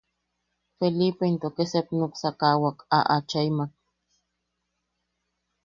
Felipe into ke sep nuksakawak a achaimak.